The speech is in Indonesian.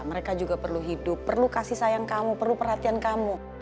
mereka juga perlu hidup perlu kasih sayang kamu perlu perhatian kamu